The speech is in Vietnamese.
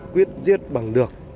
quyết giết bằng được